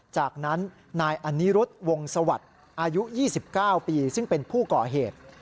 จากนั้นนายอนิรุธวงศวรรค์อายุ๒๙ปีซึ่งเป็นผู้ก่อเหตุ